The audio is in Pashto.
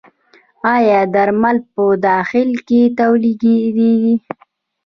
آیا درمل په داخل کې تولیدیږي؟